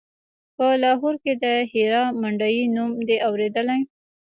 په لاهور کښې د هيرا منډيي نوم دې اورېدلى.